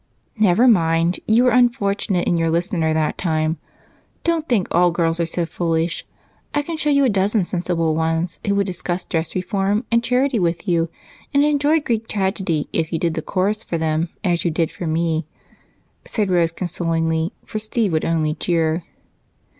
"Never mind. You were unfortunate in your listener that time. Don't think all girls are so foolish. I can show you a dozen sensible ones who would discuss dress reform and charity with you and enjoy Greek tragedy if you did the chorus for them as you did for me," said Rose consolingly, for Steve would only jeer.